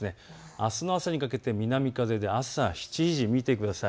あすの朝にかけて南風で朝７時、見てください。